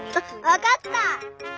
わかった！